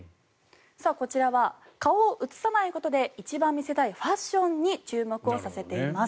こちらは顔を写さないことで一番見せたいファッションに注目をさせています。